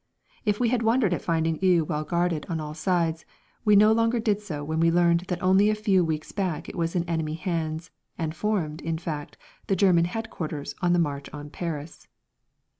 If we had wondered at finding Eu well guarded on all sides, we no longer did so when we learned that only a few weeks back it was in enemy hands, and formed, in fact, the German headquarters on the march on Paris.